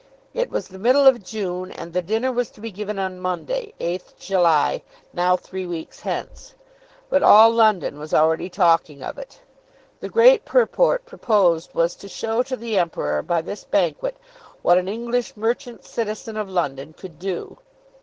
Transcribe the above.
It was the middle of June, and the dinner was to be given on Monday, 8th July, now three weeks hence; but all London was already talking of it. The great purport proposed was to show to the Emperor by this banquet what an English merchant citizen of London could do.